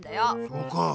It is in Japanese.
そうかぁ。